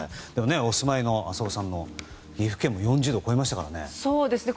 でも、浅尾さんがお住まいの岐阜県も４０度を超えましたからね。